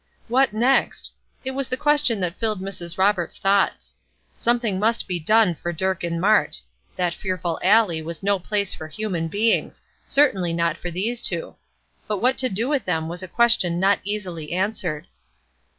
What next? It was the question that filled Mrs. Roberts' thoughts. Something must be done for Dirk and Mart. That fearful alley was no place for human beings; certainly not for these two. But what to do with them was a question not easily answered.